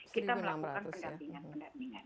kita melakukan pendampingan pendampingan